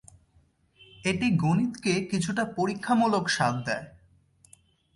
এটি গণিতকে কিছুটা পরীক্ষামূলক স্বাদ দেয়।